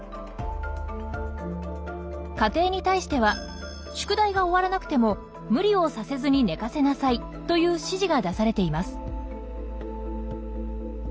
家庭に対しては「宿題が終わらなくても無理をさせずに寝かせなさい」という指示が出されています。